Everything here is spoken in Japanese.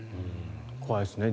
怖いですね。